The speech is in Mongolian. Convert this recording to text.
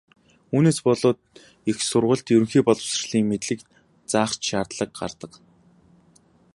Үүнээс болоод их сургуульд ерөнхий боловсролын мэдлэг заах ч шаардлага гардаг.